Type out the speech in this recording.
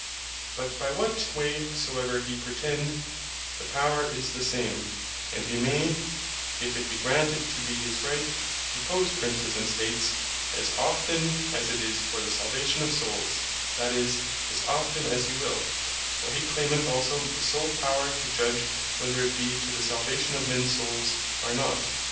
But by what way soever he pretend, the Power is the same; and he may (if it bee granted to be his Right) depose Princes and States, as often as it is for the Salvation of Soules, that is, as often as he will; for he claimeth also the Sole Power to Judge, whether it be to the salvation of mens Souls, or not.